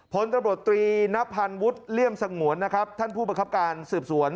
ผลตำรวจตรีนพันวุฒิเลี่ยมสังหวนท่านผู้บังคับการสืบสวน